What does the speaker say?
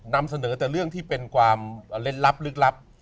นำเสนอแต่เรื่องที่เป็นความเล่นลับลึกลับ